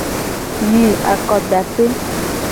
Yi akodape.